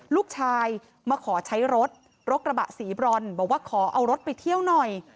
ลูกชายมาขอใช้รถรถกระบะสีบรอนบอกว่าขอเอารถไปเที่ยวหน่อย